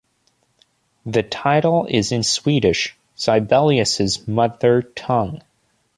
The title is in Swedish, Sibelius's mother tongue.